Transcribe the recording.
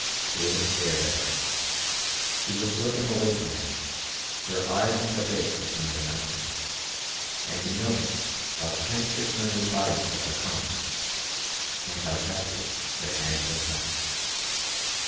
David stared at her. She was looking away from him, her eyes on the break between the mountains, and he noticed how tense her slender body had become and how tightly her hands were clenched.